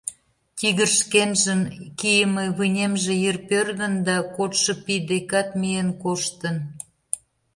Тигр шкенжын кийыме вынемже йыр пӧрдын да кодшо пий декат миен коштын.